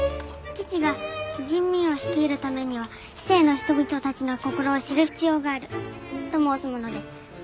父が人民を率いるためには市井の人々たちの心を知る必要があると申すもので。